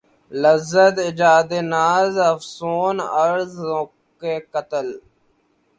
لذت ایجاد ناز افسون عرض ذوق قتل